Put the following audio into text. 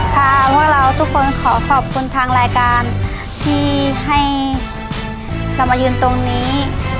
ค่ะพวกเราทุกคนขอขอบคุณทางรายการที่ให้เรามายืนตรงนี้